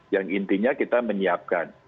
yang intinya kita menyiapkan